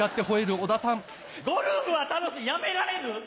「ゴルフは楽し止められぬ」？